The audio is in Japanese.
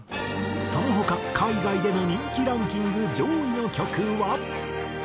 その他海外での人気ランキング上位の曲は。